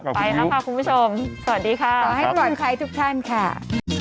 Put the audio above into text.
กับคุณยุไปแล้วค่ะคุณผู้ชมสวัสดีค่ะขอให้หมดใครทุกท่านค่ะสวัสดีครับ